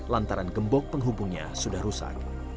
dan untuk menghubungnya sudah rusak